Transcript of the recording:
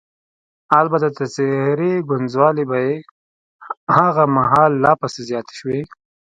البته د څېرې ګونجوالې به یې هغه مهال لا پسې زیاتې شوې.